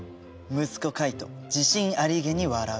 息子カイト自信ありげに笑う。